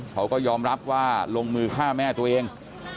เขาก็ยอมรับว่าลงมือฆ่าแม่ตัวเอง